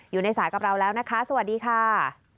อยู่ในสายกับเราแล้วนะคะสวัสดีค่ะ